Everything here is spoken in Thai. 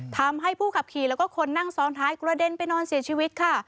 ทำให้ผู้ขับขี่แล้วก็คนนั่งซ้อนท้ายกระเด็นไปนอนเสียชีวิตค่ะ